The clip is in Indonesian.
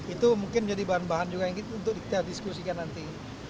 itu mungkin jadi bahan bahan juga yang untuk kita diskusikan nanti